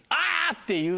っていう。